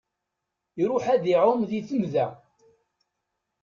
Iṛuḥ ad iɛum di temda.